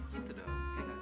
gitu dong ya gak